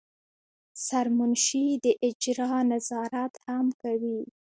سرمنشي د اجرا نظارت هم کوي.